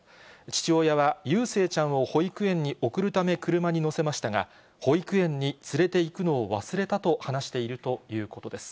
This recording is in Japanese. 父親はゆうせいちゃんを保育園に送るため車に乗せましたが、保育園に連れて行くのを忘れたと話しているということです。